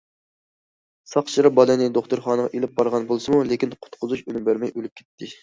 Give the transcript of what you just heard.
ساقچىلار بالىنى دوختۇرخانىغا ئېلىپ بارغان بولسىمۇ، لېكىن قۇتقۇزۇش ئۈنۈم بەرمەي ئۆلۈپ كەتكەن.